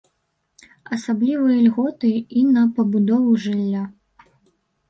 Асаблівыя льготы і на пабудову жылля.